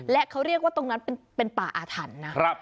และเขาเรียกว่าตรงนั้นเป็นป่าอาถรรพ์นะ